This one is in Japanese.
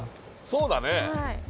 そうだね。